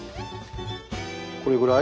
これぐらい？